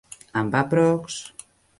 Amb aprox.